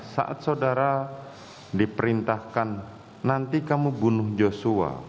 saat saudara diperintahkan nanti kamu bunuh joshua